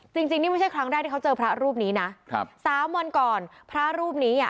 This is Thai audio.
จริงจริงนี่ไม่ใช่ครั้งแรกที่เขาเจอพระรูปนี้นะครับสามวันก่อนพระรูปนี้อ่ะ